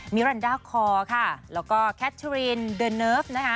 มิรันด้าคอร์แล้วก็แคทรินเดอร์เนิร์ฟ